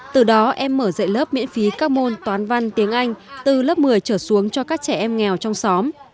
từ đó em mở dạy lớp miễn phí các môn toán văn tiếng anh từ lớp một mươi trở xuống cho các trẻ em nghèo trong xóm